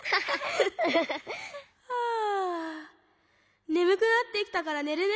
はあねむくなってきたからねるね。